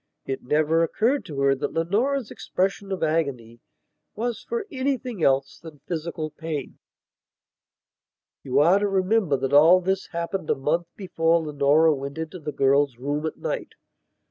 It never occurred to her that Leonora's expression of agony was for anything else than physical pain. You are to remember that all this happened a month before Leonora went into the girl's room at night.